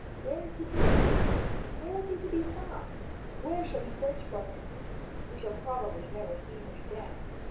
Where is he concealed? Where is he to be found? Where shall we search for him? We shall probably never see him again.